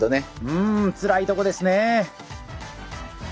うんつらいとこですね！